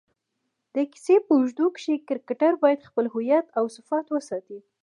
د کیسې په اوږدو کښي کرکټرباید خپل هویت اوصفات وساتي.